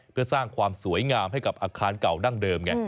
เพื่อสร้างความสวยงามให้กับอาคารเก่าดั้งเดิมไง